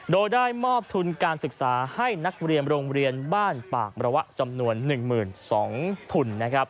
โดยได้มอบทุนการศึกษาให้นักเรียนโรงเรียนบ้านปากมรวะจำนวน๑๒๐๐ทุนนะครับ